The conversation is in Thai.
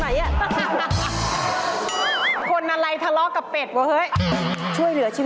อีกแล้วอีกแล้ว